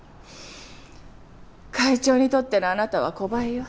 会長にとってのあなたは小バエよ。